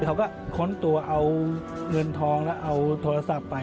เขาก็ค้นตัวเอาเงินทองแล้วเอาโทรศัพท์ไป